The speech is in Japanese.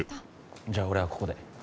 じゃあ俺はここで。